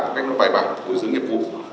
cách nó bài bản cố giữ nghiệp vụ